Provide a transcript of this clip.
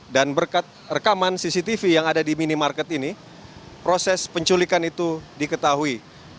dan berkat rekaman cctv yang ada di minimarket ini proses penculikan itu diketahui